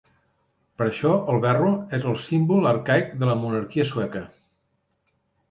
Per això el verro és el símbol arcaic de la monarquia sueca.